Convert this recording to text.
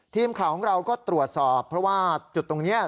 ทีมข่าวของเราก็ตรวจสอบเพราะว่าจุดตรงนี้